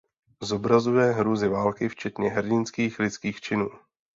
Zobrazuje hrůzy války včetně hrdinských lidských činů.